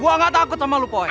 gua gak takut sama lu poe